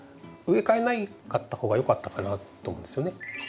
植え替えなかった方がよかったかなと思うんですよね。